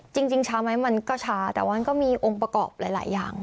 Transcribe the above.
จริงช้าไหมมันก็ช้าแต่ว่ามันก็มีองค์ประกอบหลายอย่าง